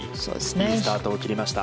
いいスタートを切りました。